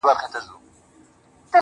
تك سپين زړگي ته دي پوښ تور جوړ كړی.